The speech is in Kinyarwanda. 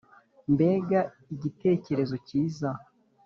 mbega igitekerezo cyiza!